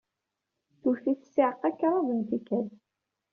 Twet-it ssiɛqa kraḍt n tikkal.